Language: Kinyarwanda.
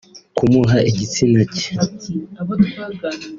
Kumuha igitsina cyane